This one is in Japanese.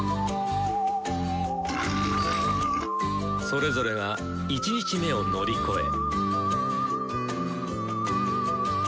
それぞれが１日目を乗り越え。